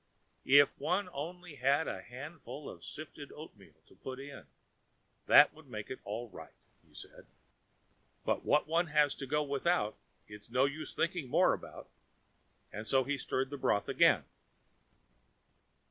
If one only had a handful of sifted oatmeal to put in, that would make it all right," he said. "But what one has to go without, it's no use thinking more about," and so he stirred the broth again.